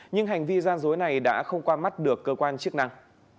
nhưng hành vi gian dối này đã không qua mắt được cơ quan chức năng